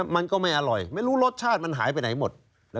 มันก็ไม่อร่อยไม่รู้รสชาติมันหายไปไหนหมด